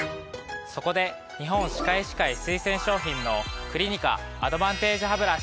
そこで日本歯科医師会推薦商品のクリニカアドバンテージハブラシ。